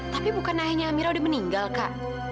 tapi bukan ayahnya amira udah meninggal kak